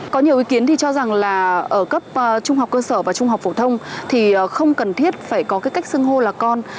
có nhiều ý kiến thì cho rằng là ở cấp trung học cơ sở và trung học phổ thông thì không cần thiết phải có cái cách sưng hô là con